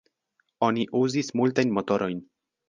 Oni uzis multajn motorojn.